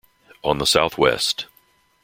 On the Southwest.